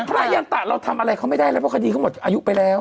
พระยันตะเราทำอะไรเขาไม่ได้แล้วเพราะคดีเขาหมดอายุไปแล้ว